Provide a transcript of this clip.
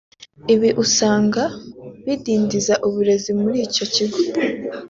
Ibi ngo usanga bidindiza uburezi muri icyo kigo